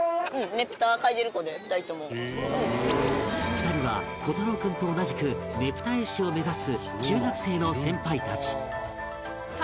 ２人は虎太朗君と同じくねぷた絵師を目指す中学生の先輩たち